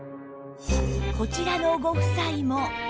こちらのご夫妻も